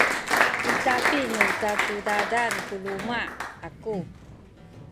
i capi nu cacudadan ku luma’ aku